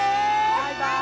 バイバーイ！